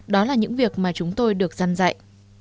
đó là những việc mà chúng tôi được dăn dạy